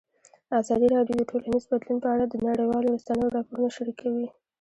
ازادي راډیو د ټولنیز بدلون په اړه د نړیوالو رسنیو راپورونه شریک کړي.